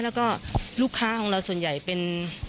แล้วก็ลูกค้าของเราส่วนใหญ่เป็น